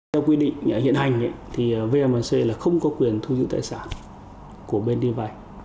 theo quy định hiện hành vmnc không có quyền thu dự tài sản của bên đi vay